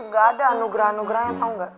ga ada anugrah anugrahnya tau ga